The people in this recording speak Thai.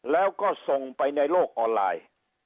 แล้วก็ส่งไปในโลกออนไลน์